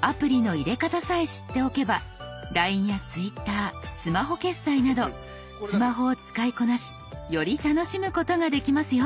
アプリの入れ方さえ知っておけばＬＩＮＥやＴｗｉｔｔｅｒスマホ決済などスマホを使いこなしより楽しむことができますよ。